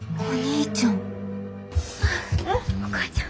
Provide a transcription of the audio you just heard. ああお母ちゃん。